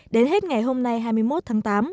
đến hết ngày hôm nay hai mươi một tháng tám